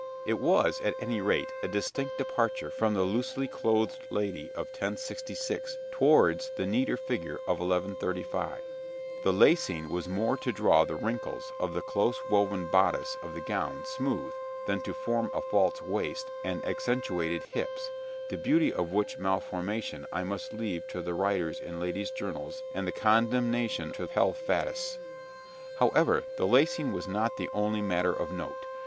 It was, at any rate, a distinct departure from the loosely clothed lady of 1066 towards the neater figure of 1135. The lacing was more to draw the wrinkles of the close woven bodice of the gown smooth than to form a false waist and accentuated hips, the beauty of which malformation I must leave to the writers in ladies' journals and the condemnation to health faddists. However, the lacing was not the only matter of note.